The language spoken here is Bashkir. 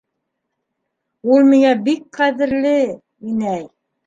Ул миңә бик ҡәҙерле, инәй!